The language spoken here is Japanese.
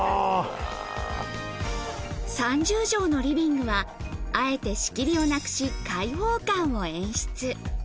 ３０畳のリビングにはあえて仕切りをなくし、開放感を演出。